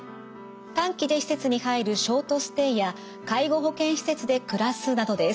短期で施設に入るショートステイや介護保険施設で暮らすなどです。